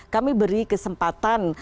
kami beri kesempatan